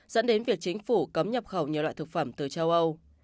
dẫn đến việc chính phủ cấm nhập khẩu nhiều loại thực phẩm từ châu âu